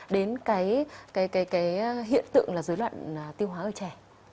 đến hiện tượng dưới loạn tiêu hóa ở trẻ